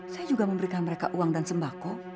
saya juga memberikan mereka uang dan sembako